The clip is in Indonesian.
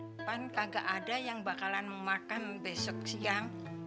ulu makan kan kagak ada yang bakalan makan besok siang